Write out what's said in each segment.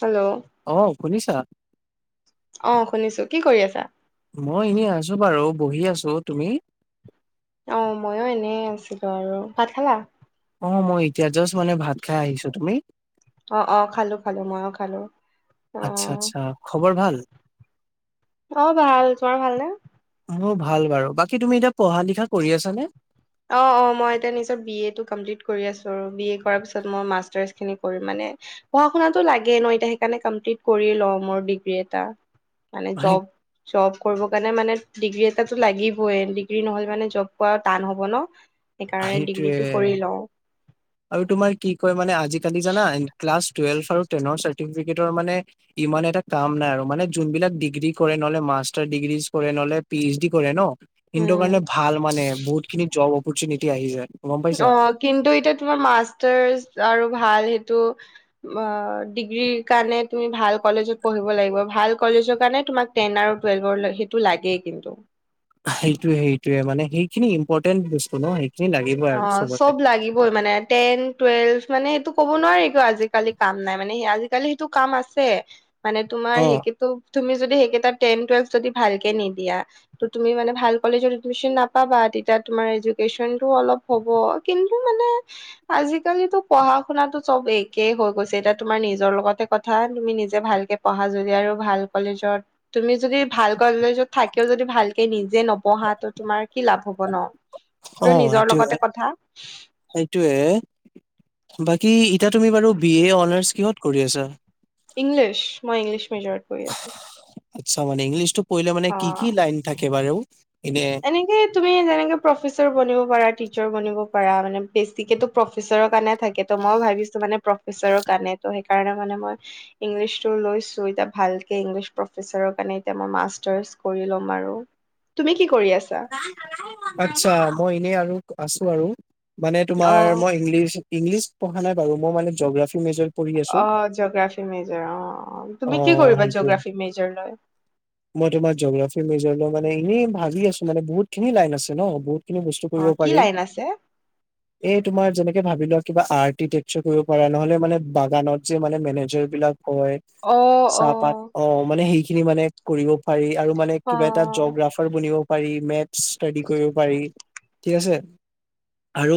Hello অ শুনিছা অ শুনিছো কি কৰি আছা? মই এনেই আছো বাৰু বহি আছো তুমি অ ময়ো এনে আছিলো আৰু ভাত খালা। অ মই এতিয়া জাষ্ট মানে ভাত খাই আহিছো তুমি। অ অ খালো খালো মইও খালো অ আচ্ছা আচ্ছা খবৰ ভাল। অ ভাল তোমাৰ ভালনে? অ ভাল বাৰু বাকী তুমি এতিয়া পঢ়া লিখা কৰি আছানে? অ অ মই এতিয়া নিজৰ বি এ টো কমপ্লিট কৰি আছো পঢ়া শুনাটো লাগে ন এতিয়া সেইকাৰণে কমপ্লিট কৰি লওঁ মোৰ ডিগ্ৰী এটা মানে সেই- জব জব কৰিব কাৰণে মানে ডিগ্ৰী এটাতটো লাগিবই ডিগ্ৰী নহলে মানে জব কৰা টান হ'ব ন। সেইকাৰণে সেইটোয়ে ডিগ্ৰীটো কৰি লওঁ আৰু তোমাৰ কি কয় মানে আজিকালি জানা ক্লাছ টেলভ আৰু তেনৰ চাৰ্টিফিকেটৰ মানে ইমান এটা কাম নাই আৰু মানে যোনবিলাক ডিগ্ৰী কৰে নহলে মাষ্টাৰ ডিগ্ৰী কৰে নহ'লে পি এইচ ডি কৰে ন। সিহতৰ উম কাৰণে ভাল মানে বহুত খিনি জব অপৰচুনোটি আহি যায়। গম অ পাইছা কিন্তু এতিয়া। তোমাৰ মাষ্টাৰ্চ আৰু ভাল সেইটো অ ডিগ্ৰীৰ কাৰণে তুমি ভাল কলেজত পঢ়িব লাগিব ভাল কলেজৰ কাৰণে তোমাক টেন আৰু টুৱেল্ভৰ সেইটো লাগেই কিন্তু সেইটোয়ে সেইটোয়ে মানে সেইখিনি ইম্পৰ্টেন্ট বস্তু ন সেই। অ চব লাগিবই মানে টেন টুৱেলভ মানে সেটো ক'ব নোৱাৰি কিয় আজিকালি কাম নাই অ', তুমি যদি সেইকেইটা টেন টুৱেলভ যদি ভালকে নিদিয়া ত তুমি মানে ভাল কলেজত এডমিশন নাপাবা। তেতিয়া তোমাৰ এডুকেশ্যনটো অলপ হব কিন্তু মানে আজিকালিতো পঢ়া শুনাতো চব একেই হৈ গৈছে এতিয়া তোমাৰ নিজৰ লগতে কথা তুমি নিজে ভালকে পঢ়া যদি আৰু ভাল কলেজত তুমি যদি ভাল কলেজত থাকিও যদি ভালকে নিজে নপঢ়া তো তোমাৰ কি লাভ হব ন। অ নিজৰ সেইটোয়ে। লগতে কথা সেইটোৱে বাকী। এতিয়া তুমি বাৰু বি এ অনাৰ্ছ কিহত কৰি আছা? ইংলিছ মই ইংলিছ মেজৰট কৰি আছো। আচ্ছা মানে ইংলিছ টো পঢ়িলে মানে কি কি অ' লাইন থাকে বাৰু এনে? এনেকে তুমি যেনেকে প্ৰফেচৰ বনিব পাৰা টিচাৰ বনিব প পৰা মানে বেচিকেটো প্ৰফেচাৰৰ কাৰণে থাকে ত মই ভাবিছো মানে প্ৰফেচাৰৰ কাৰণে ত সেইকাৰণে মানে হে মই ইংলিছটো লৈছোঁ এতিয়া ভালকে ইংলিছ প্ৰফেছাৰৰ কাৰণে মই মাষ্টাৰ্ছ কৰি লম কম আৰু তুমি কি কৰি আছা? কাম কৰাৰে মন নাই ন, আচ্ছা মই এনেই আৰু আছো আৰু মানে তোমাৰ অ' মই ইংলিছ ইংলিছ পঢ়া নাই বাৰু মই মানে জগ্ৰাফী অ জগ্ৰাফি মেজৰ অ তুমি কি অ', কৰিবা সেইটোয়ে। জগ্ৰাফি মেজৰ লৈ মই তোমাৰ জ'গ্ৰাফি মেজৰ লৈ মানে এনেই ভাবি আছো মানে বহুতখিনি লাইন আছে ন বহুত কিনো বস্তু কৰিব অ' কি পাৰি লাইন আছে? এই তোমাৰ যেনে ভাবি লোৱা কিবা আৰ্কিটেকচাৰ কৰিব পৰা নহলে মানে বাগানত যে মানে মেনেজাৰ বিলাক হয় চাহপাত অ মানে সেইখিনি মানে কৰিব পাৰি আৰু মানে কিবা এটা অ' জগ্ৰাফাৰ বনিব পাৰি মেথ ষ্টাডি কৰিব পাৰি। ঠিক আছে আৰু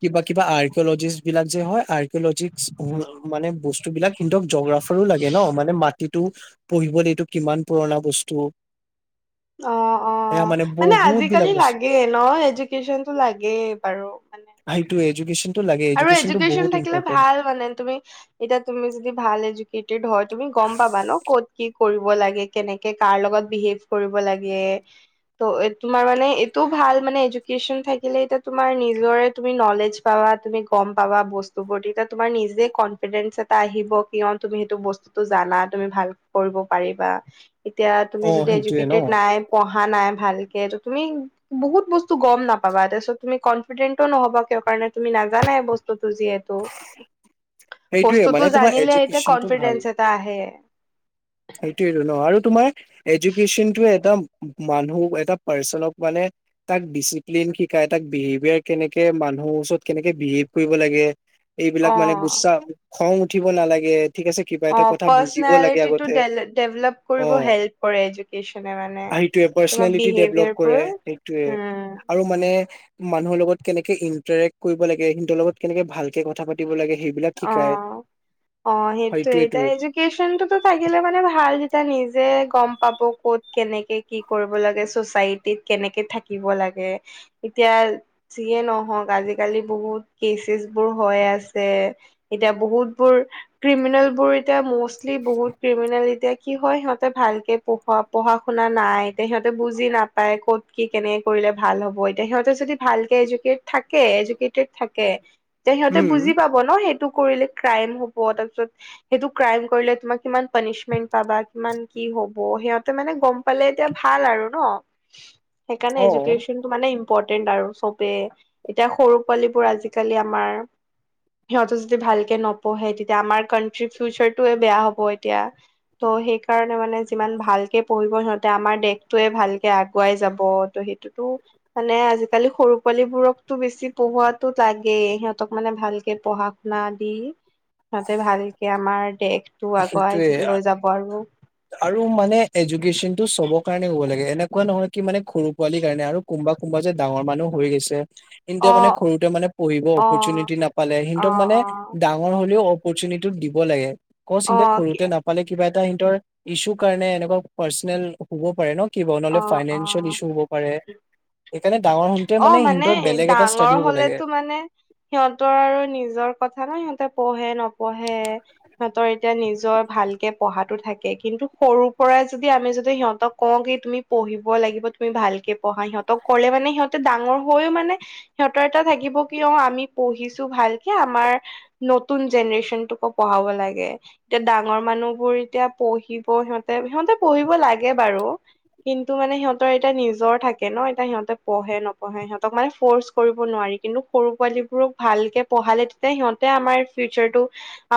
কিবা কিবা আৰ্কিঅলজিষ্ট বিলাক যে হয় আৰ লজিক্স উম মানে বস্তুবিলাক কিন্তু জগ্ৰাফাৰো লাগে ন মানে মা এইটো পঢ়িবদে এইটো কিমান পুৰণা বস্তু অ অ অ অঁ এয়া অঁ, মানে বহুত বিলাক আজিকালি বস্তু লাগেই ন এডুকেশচনটো লাগেই বাৰু মানে সেইটো এডুকেশ্যনটো লাগে আৰু এডুকেশ্যনটো এজুকেচন বহুত থাকিলে ইম্পৰ্টেণ্ট ভাল মানে তুমি এতিয়া তুমি যদি ভাল এজুকেটেত হয় তুমি গম গম পাবা ন কত কি কৰিব লাগে কেনেকে কাৰ লগত বিহেভ কৰিব লাগে ইহ আ ত' তোমাৰ মানে এইটো ভাল মানে এডুকেচন থাকিলে এতিয়া তোমাৰ নিজৰে তুমি নলেজ পাবা তুমি গম পাবা বস্তু বোৰ তেতিয়া তোমাৰ নিজে কনফিডেন্স এটা আহিব কিয় তুমি সেইটো বস্তুতো যা না তুমি ভাল কৰিব পাৰিবা এতিয়া তুমি অ যদি সেইটোয়ে ন এডুকেটেট নাই পঢ়া হোৱা নাই ভালকে ত তুমি বহুত বস্তু গম নাপাবা তাৰপিছত তুমি কনফিডেনন্টও নহবা তেওঁৰ কাৰণে মানে তুমি নাজানে বস্তুটঝ যিহেতু সেইটোয়ে বস্তুটো মানে তোমাৰ জানিলে এতিয়া এডুকেশ্যনটো কনফিডেন্স এটা আহে সেইটোৱেটো ন আৰু তোমাৰ এডুকেশনটো একদম মানুহ এটা পাৰ্চনক মানে তাক ডিচিপ্লিন শিকাই তাক বিহেভিয়াৰ কেনেকে মান মানুহৰ ওচৰত কেনেকে বিহেভ কৰিব লাগে এইবিলাক অ মানে গুচসা খং উঠিব নালাগে। ঠিক আছে কিবা অ এটা কথা বুজিব লাগে আগত পাৰ্চনেলিটিটো ডেভেলপ কৰিব হেল্প কৰে এডুকেচনে মানে সেইটোৱে তোমাৰ পাৰ্চনেলিটি ডেভলপ কৰে বিহেভিয়াৰবোৰ সেইটোৱে আৰু মানে এহ্ মানুহৰ লগত কেনেকে ইন্টাৰেক্ কৰিব লাগে সিহঁতৰ লগত কেনেকে ভালকে কথা পাতিব লাগে সেইবিলাক চুচ অ অ শিকায় অ, অ অ সেইটো সেইটোৱেটো এতিয়া এডুকেশনটো থাক কিলে মানে ভাল যেতিয়া নিজে গম পাব ক'ত কেনেকে কি কৰিব লাগে চচাইটিত কেনে কেনেকে থাকিব লাগে ইহ্ এতিয়া যিয়ে নহওক আজিকালি বহুত কেছেছ বোৰ ভয় আছে। এতিয়া বহুত বোৰ ক্ৰিমিনেল বোৰ এতিয়া মষ্টলি বহুত ক্ৰিমিনেল এতিয়া কি হয় সিহঁতে ভালকে পঢ়োৱা পঢ়া শুনা নাই এতিয়া সিহঁতে বুজি নাপায় ক'ত কি কেনেকে কৰি ভাল হব এতিয়া সিহঁতে যদি ভালকে এডুকেট থাকে এডুকেটেট থাকে ইহ যে সিহঁতে উম বুজি পাব ন সেইট সেইটো কৰিলে ক্ৰাইম হব তাৰপিছত সেইটো ক্ৰাইম কৰিলে তোমাক কিমান পানিচমেন্ট পাবা কিমান খি কি হ'ব? সিহঁতে মানে গম পালে এতিয়া ভাল আৰু ন! সেইকাৰণে অ এডুকেশনটো মানে ইম ইম্পৰটেন্ট আৰু চবেই এতিয়া সৰু পোৱালিবোৰ আজিকালি আমাৰ সিহঁতে ভালকে নপঢ়ে তেতিয়া আমাৰ ক্ৰাণ্ট্ৰিৰ ফিউচাৰটোয়ে বেয়া হ'ব এতিয়া। ত' সেইকাৰণে মানে যিমান ভালকে পঢ়িব সিহতে আমাৰ দেশতোৱে ভালকে আগুৱাই যাব ত সেইটোতো মানে আজিকালি সৰু পোৱালিবোৰকতো বেছি পঢ়োৱাতো লাগেই সিহঁতক মানে ভাল ভালকে পঢ়া। দি তহতে ভালকে আমাৰ দেশটো সেইটোয়ে আগুৱাই লৈ যাব আৰু আৰু মানে এজুকেশ্যচন টো চবৰ কাৰণে হ'ব লাগে এনেকুৱা নহয় কি মানে সৰু পোৱালি কাৰণে আৰু কোনোবা। কোনোবা যে ডাঙৰ মানুহও হৈ গৈছে।। ই অ মানে সৰুতে মানে পঢ়িব অ অ অ অপৰচুনিটো দিব লাগে অ ক'চিতে সৰুতে নাপালে কিবা এটা সিহতৰ। ইছ্যু কাৰণে এনেকুৱা পাৰ্চনেল হব পাৰে ন। কিবা অ নহ'লে অ ফাইনেন্সিয়েল অ ইছ্যু হ'ব পাৰে। সেইকাৰণে ডাঙৰ হওঁতে অ মানে সিহঁতৰ বেলেগ এটা ডাঙৰ ষ্টাডি হ'ব লাগে হলেতো মানে সিহঁতৰ আৰু নিজৰ, কথা নহয় সিহঁতে পঢ়ে নপঢ়ে সিহঁতৰ এতিয়া নিজৰ ভালকে পঢ়াতো থাকে কিন্তু সৰু পৰা। যদি আমি যদি সিহঁতক কওঁ কি তুমি পঢ়িব লাগিব তুমি ভালকে পঢ়া সিহঁতক কলে মানে সিহঁতে ডাঙৰ হৈও মানে সিহঁতৰ এটা। থাকিব কি অ আমি পঢ়িছো ভালকে আমাৰ নতুন জেনেৰেচনটোকো পঢ়াব লাগে। এতিয়া ডাঙৰ মানুহ বোৰ এতিয়া পঢ়িব সিহঁতে সিহঁতে পঢ়িব লাগে বাৰু। কিন্তু মানে সিহঁতৰ এতিয়া নিজৰ থাকে ন এতিয়া সিহঁতে পঢ়ে নপঢ়ে সিহতক মানে ফ'ৰ্চ কৰিব নোৱাৰি। কৰিব নোৱাৰি কিন্তু সৰু পোৱালীবোৰক ভালকে পঢ়ালে তেতিয়া সিহঁতে আমাৰ ফিউচাৰ টো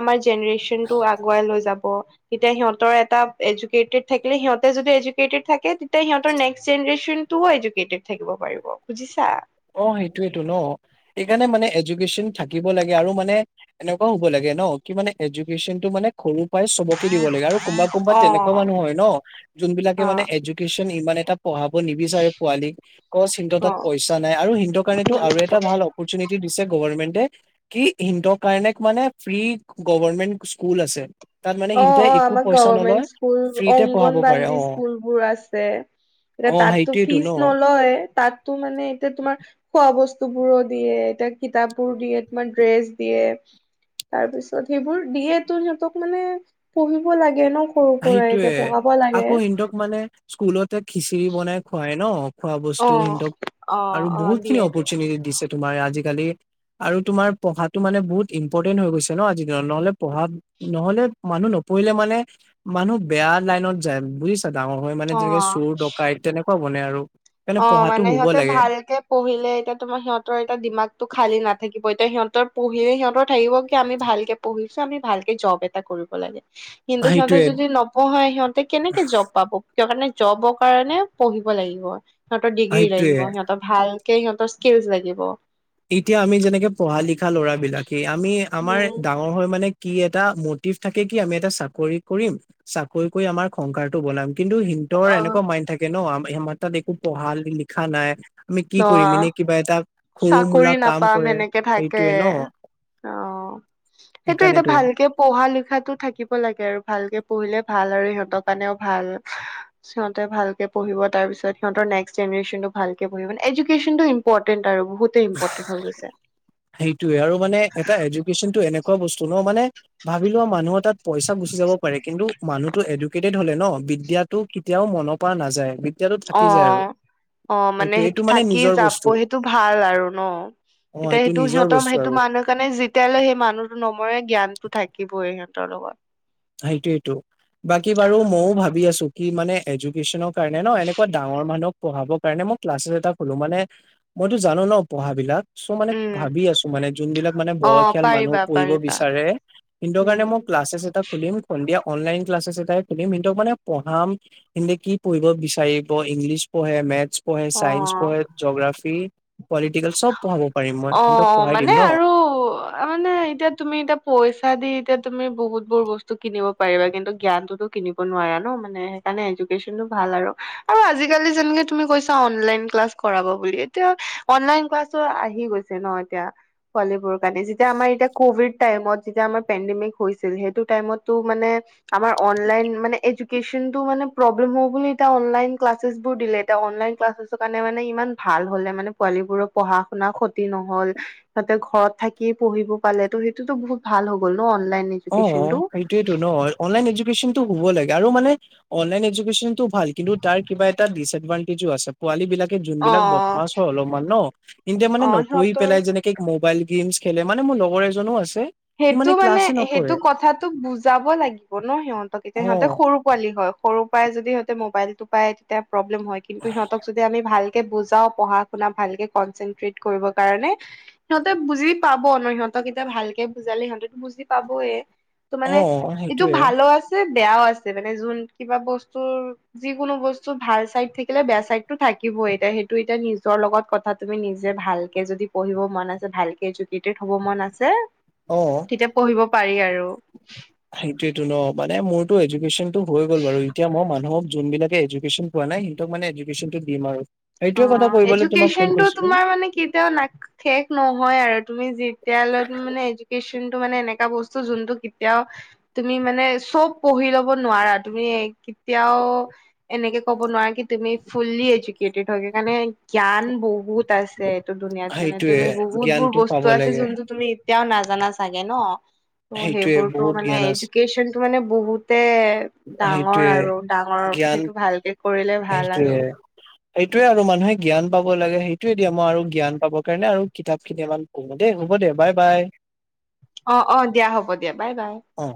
আমাৰ জেনেৰেশ্যন টো আগুৱাই লৈ যাব। তেতিয়া সিহঁতৰ এটা এজুকেইটেড থাকিলে সিহঁতে যদি এজুকেইটেড থাকে। তেতিয়া সিহঁতৰ নেক্স জেনেৰেশ্যন টোও এডুকেটেড থাকিব পাৰিব বুজিছা। অ সেইটোয়টো ন সেইকাৰণে মানে এজুকেশচন থাকিব লাগে আৰু মানে এনেকুৱাও হ'ব লাগে। ন কি মানে এডুকেশনটো মানে সৰু। প চবকে দিব লাগে আৰু কোনোবা কোনোবা অ তেনেকুৱা মানুহ হয় ন যোন বিলাকে অ মানে এডুকেশ্যন ইমান এটা। পঢ়াব নিবিচাৰে পোৱালীক সি অ তাত পইচা নাই আৰু সিহত কাৰণেটো উম আৰু এটা ভাল অফুৰ্চেনেটি। দি গভমেন্টে কি সিহতৰ কাৰণে মানে ফ্ৰী গভমেন্ট স্কুল আছে। তাত মানে অ সিহঁতে অ একো আমাৰ পইচা নলয় গভমেন্ট স্কুল ফ্ৰীতে পঢ়াব পাৰে অংগনবানাদী অ স্কুল বোৰ আছে। এ অ তাততো সেইটোয়েতো ফিচ ন নলয় তাত। টো মানে এতিয়া তোমাৰ খোৱা বস্তু বোৰো দিয়ে এতিয়া কিতাপ বোৰ দিয়ে তোমাৰ ড্ৰেছ দিয়ে। তাৰ পিছত সেইবোৰ দিয়ে তো সিহঁতক মানে পঢ়িব লাগে ন। সৰু পৰাই এতিয়া সেইটোয়ে পঢ়াব লাগে। আকৌ সিহতক মানে স্কুলতে খিচিৰি বনাই খোৱাই ন। খোৱা অ বস্তু সিহতক অ আৰু অ বহুত খিনি দিয়ে দিয়ে অপৰচুনিটি দিছে তোমাৰ আজিকালি। আৰু তোমাৰ পঢ়াটো মানে বহুত ইম্পৰ্টেণ্ট হৈ গৈছে ন আজি দিনত নহলে পঢ়া নহলে মানুহ ন। পহিলে মানে। মানুহ বেয়া লাইনত যায় বুজিছা ডাঙৰ হৈ মানে যেনেকে অ চোৰ ডকাইট তেনেকুৱা বনে আৰু সেইকাৰণে অ পঢ়াটো মানে হ'ব সিহঁতে লাগে ভালকে পঢ়িলে এতিয়া তোমাৰ সিহঁতৰ এতিয়া দিমাগটো খালী নাথাকিব এতিয়া সিহঁত। সিহঁত পঢিলে সিহঁতৰ থাকিব কি আমি ভালকে পঢ়িছো আমি ভালকে জব এটা কৰিব লাগে। কিন্তু সিহঁতে সেইটোয়ে যদি নপঢ়াই সিহঁতে কেনেকে জব পাব। সিহতৰ কাৰণে জবৰ কাৰণে পঢ়িব লাগিব সিহঁতৰ ডিগ্ৰী সেইটোয়ে লাগিব সিহঁতৰ ভাল। কে সিহঁতৰ স্কিলচ লাগিব। এতিয়া আমি যেনেকে পঢ়া লিখা ল'ৰা বিলাকে আমি আমাৰ উম, ডাঙৰ হৈ মানে। কি এটা মটিভ থাকে কি আমি এটা চাকৰি কৰিম চাকৰি কৰি আমাৰ সংসাৰটো বনাম। কিন্তু সিহতৰ অ এনেকুৱা মাইণ্ড থাকে ন মাৰ তাত একো পঢ়া লিখা নাই। আমি কি ন কৰিম এনেই কিবা এটা। সৰু চাকৰি মূলা কাম নাপাম কৰে এনেকে থাকে সেইটোয়ে ন অ। সেইটো এতিয়া সেইকাৰণেতো ভালকে পঢ়া লিখাতো থাকিব লাগে আৰু ভালকে পঢ়িলে ভাল আৰু। সিহঁতৰ কাৰণেও ভাল সিহতে ভালকে পঢ়িব তাৰ পিছত সিহতৰ নেক্সট জেনেৰেচনটো ভাল। এডুকেশনটো ইম্পৰ্টেণ্ট। আৰু বহুতে ইম্পৰ্টেণ্ট হৈ গৈছে। সেইটোয়ে আৰু মানে এটা এডুকেশচনটো এনেকুৱা। খোৱা বস্তু ন মানে ভাবি লোৱা মানুহৰ তাত পইচা গুচি যাব পাৰে কিন্তু। মানুহতো এডুকেটেড হলে ন বিদ্যাটো কেতিয়াও মন পৰা নাযায়। বিদ্যাটো অ থাকি যায় আৰু অ মানে সেইটো এইটো থাকি নিজৰ যাব বস্তু সেইটো ভাল আৰু ন। অ এতিয়া এইটো সেইটো নিজৰ সিহঁতৰ বস্তু সেইটো আৰু মানুহৰ কাৰণে যেতিয়ালৈ সেই মানুহটো নমৰে জ্ঞানটো থাকিবই সিহঁত। তাৰ লগত সেইটোয়েইটো বাকী বাৰু মইও ভাবি আছো কি মানে এডুকেচনৰ কাৰণে ন এনেকুৱা ডাঙৰ মানুহক পঢ়াবৰ কাৰণে মই ক্লাচছ এটা কলো মানে মইতো জানো ন পঢ়াবিলাক চ' মানে উম, ভাবি আছো মানে যোন বিলাক মানে অ', বয়সীয়াল মানুহ পাৰিবা পঢ়িব পাৰিবা বিচাৰে সিহঁতৰ উম, কাৰণে মই ক্লাছেচ এটা খুলিম সন্ধিয়া অনলাইন ক্লাছেছ এটাই খুলিম সিতক মানে পঢ়াম সেতি কি পঢ়িব বিচাৰিব ইংলিছ মেথছ পহে চাইন্ঞ্চ অ', পহে জোগ্ৰাফি সব পহাব পাৰি। অ মানে আৰু মানে এতিয়া তুমি এতিয়া পইচা দি এতিয়া। তুমি বহুত বোৰ বস্তু কিনিব পাৰিবা কিন্তু জ্ঞানতোতো কিনিব নোৱাৰা ন মানে সেইকাৰণে এডুকেশ্যনতো ভাল। হল আৰু অ আজিকালি যেনেকে তুমি কৈছা অনলাইন ক্লাছ কৰাব বুলি এতিয়া অনলাইন অনলাইন ক্লাছটো আহি গৈছে ন এতিয়া পোৱালী বোৰৰ কাৰণে যেতিয়া আমাৰ এতিয়া কভিড টাইমত যেতিয়া আমাৰ পেনডিং। মেমে কৈছিল সেইটো টাইমত টো মানে আমাৰ অনলাইন মানে এডুকেশ্যনতো মানে প্ৰব্লেমো বুলি এতিয়া অনলাইন ক্লাছেছ বোৰ দিলে এতিয়া অনলাইন ক্লাছৰ কাৰণে মানে ইমান ভাল হলে মানে পোৱালীবোৰক। পঢ়া শুনা ক্ষতি নহল তহতে ঘৰত থাকি পঢ়িব পালে ত' সেইটোতো বহুত ভাল হৈ গ'ল ন অনলাইন অ এডুকেশ্বনটো। সেইটোয়েতো নহ অনলাইন এডুকেশ্যনতটো। পঢ়িব লাগে আৰু মানে অনলাইন এডুকেশ্যনটো ভাল কিন্তু তাৰ কিবা এটা ডিচিপইটি আছে পোৱালি বিলাক। যোন বিলাক অ', বদমাছ হয় অলপমান ন এতিয়া মানে অ', নপঢ়ি সিহঁতৰ পেলাই যেনেকে মোবাইল গেমছ খেলে মানে মোৰ লগৰ এজনো আছে। সি সেইটো মানে ক্লাছে সেই টো নকৰে কথাতটো বুজাব লাগিব ন সিহঁতক এতিয়া অ সিহঁতে সৰু পোৱালি হয়। সৰুৰ পৰাই যদি সিহঁতে মোবাইল টো পায় তেতিয়া প্ৰব্লেম হয় কিন্তু সিহঁতক যদি আমি ভাল কে বুজাও পঢ়া শুনা ভালকে কনচেনট কিয়েট কৰিবৰ কাৰণে সিহঁতে বুজি পাব ন সিহতকেইটা ভালকে বুজালে সিহঁতে বুজি পাবয়েই ত অ মানে এইটো সেইটোয়ে ভালো আছে। বেয়াও আছে মানে যোন কিবা বস্তুৰ যিকোনো বস্তু ভাল চাইড থাকিলে বেয়া চাইডতো থাকিব। বই সেইটো এতিয়া নিজৰ লগত কথা তুমি নিজে ভালকে যদি পঢ়িব মন আছে ভালকে যদি এডুকেড হ'ব মন আছে অ তেতিয়া পঢ়িব পাৰি আৰু ত ন মানে মোৰতো এডুকেশ্যন টো হৈ গ'ল বাৰু এতিয়া মই মানুহক যোনবিলাকে এডুকেশ্যন পোৱা নাই সিহতক মানে এডুকেশ্যনটো দিম আৰু অ সেইটোয়ে কথা কৰিবলৈ তোমাক এডুকেশ্যন ফোন টো কৰিছিলো তোমাৰ মানে কেতিয়াও না শেষ নহয় আৰু তুমি যি এতিয়া মানে এডুকেশ্যন টো মানে এনেকা বস্তু যোনটো কেতিয়াও তুমি মানে চব পঢ়ি লব নোৱাৰা তুমি- কেতিয়াও এনেকে কব নোৱাৰা কি তুমি ফুললি এডুকেড এডুকেডৰ কাৰণে জ্ঞান বহুত আছে। এইটো দুুনীয়াত মানে সেইটোয়ে তুমি বহুত বোৰ জ্ঞানটো পাব বস্তু আছে লাগে যোনটো তুমি- এতিয়াও নাজানা চাগে ন ত' সেইটোয়ে সেইবোৰতো বহুত মানে জ্ঞান আছে এডুকেশ্যচনটো মানে বহুতে- ডাঙৰ সেইটোয়ে আৰু ডাঙৰ জ্ঞান সেইটো ভালকে কৰিলে ভাল আৰু এইটোৱে আৰু মানুহে জ্ঞান পাব লাগে সেইটোয়ে দিয়া মই আৰু জ্ঞান পাব কাৰণে আৰু কিতাপ খিনি অকমান পঢ়ো দেই হব। হ'ব দে বাই বাই। অ অ দিয়া হ'ব দিয়া বাই বাই। অ